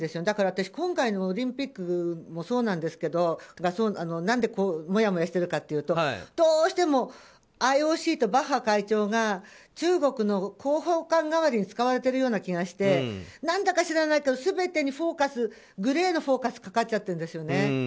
だから私、今回のオリンピックもそうなんですけど何でもやもやしてるかというとどうしてもＩＯＣとバッハ会長が中国の広報官代わりに使われているような気がして何だか知らないけど全てにグレーのフォーカスがかかっちゃってるんですよね。